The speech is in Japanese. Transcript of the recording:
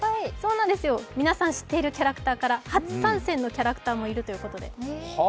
皆さん知っているキャラクターから初参戦のキャラクターもいるということで。